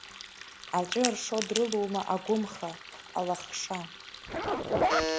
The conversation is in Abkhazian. Аҵәы ыршо дрылоума агәымха, алахша?